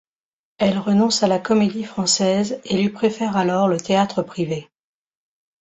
Elle renonce à la Comédie-Française et lui préfère alors le théâtre privé.